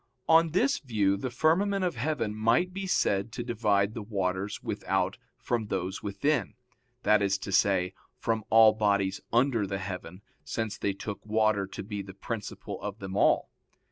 On this view the firmament of heaven might be said to divide the waters without from those within that is to say, from all bodies under the heaven, since they took water to be the principle of them all.